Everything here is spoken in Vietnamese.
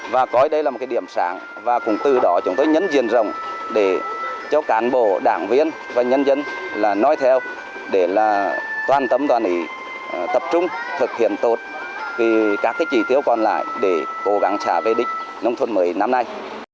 và gọi đây là một điểm sáng và cùng từ đó chúng tôi nhấn diện rồng để cho cán bộ đảng viên và nhân dân nói theo để toàn tâm toàn ý tập trung thực hiện tốt các chỉ tiêu còn lại để cố gắng trả về đích nông thôn mới năm nay